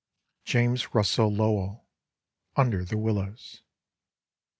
—James Russell Lowell, "Under the Willows."